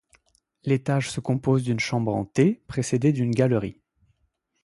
L’étage se compose d’une chambre en T précédée d'une galerie.